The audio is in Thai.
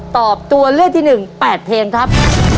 ตอบตัวเลือดที่หนึ่ง๘เพลงครับ